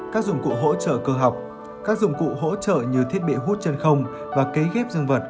các dùng cụ hỗ trợ cơ học các dùng cụ hỗ trợ như thiết bị hút chân không và kế ghép dương vật